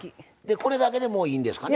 これだけでもういいんですかね。